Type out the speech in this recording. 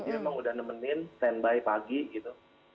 jadi memang udah nemenin standby pagi gitu